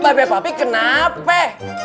mbak be papi kenaape